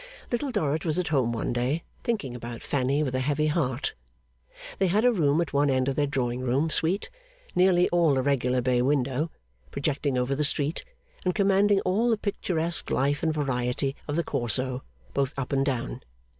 Little Dorrit was at home one day, thinking about Fanny with a heavy heart. They had a room at one end of their drawing room suite, nearly all irregular bay window, projecting over the street, and commanding all the picturesque life and variety of the Corso, both up and down.